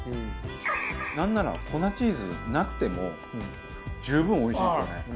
なんなら粉チーズなくても十分おいしいですよね。